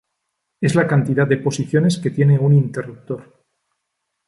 Es la cantidad de posiciones que tiene un interruptor.